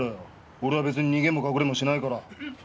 俺は別に逃げも隠れもしないから。